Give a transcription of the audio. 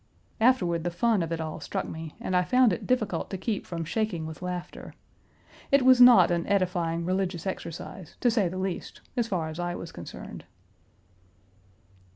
Afterward the fun of it all struck me, and I found it difficult to keep from shaking with laughter. It was not an edifying religious exercise, to say the least, as far as I was concerned.